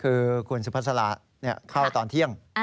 คือคุณสุภาษาเข้าตอนเที่ยง